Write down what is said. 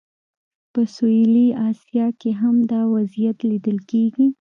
په سویلي اسیا کې هم دا وضعیت لیدل کېږي.